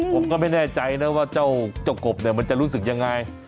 ผมก็ไม่แน่ใจนะว่าเจ้าเจ้ากบมันจะรู้สึกอย่างไร